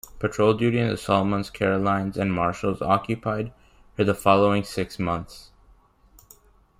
Patrol duty in the Solomons, Carolines, and Marshalls occupied her the following six months.